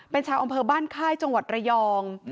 เป็นชาวอำเภอบ้านค่ายจังหวัดระยอง